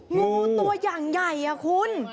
งูตัวอย่างใหญ่คุณ